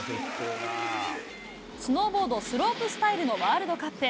スノーボードスロープスタイルのワールドカップ。